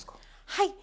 はい。